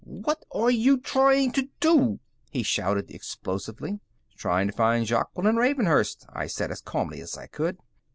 "What are you trying to do?" he shouted explosively. "Trying to find Jaqueline Ravenhurst," I said, as calmly as I could.